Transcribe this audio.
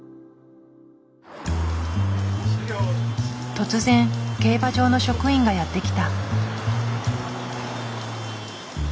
突然競馬場の職員がやって来た。